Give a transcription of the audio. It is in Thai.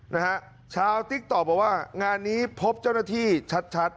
นะฮะชาวติ๊กต๊อกบอกว่างานนี้พบเจ้าหน้าที่ชัดชัด